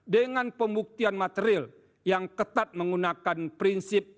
dengan pembuktian material yang ketat menggunakan prinsip